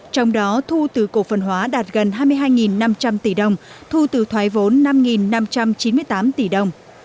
trong đó thu từ cổ phần hóa đạt gần hai mươi hai năm trăm linh tỷ đồng thu từ thoái vốn năm năm trăm chín mươi tám tỷ đồng